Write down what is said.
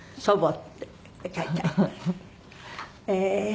ええ。